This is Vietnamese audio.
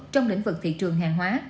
trong lĩnh vực thị trường hàng hóa